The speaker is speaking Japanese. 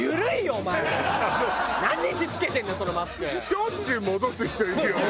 しょっちゅう戻す人いるよね。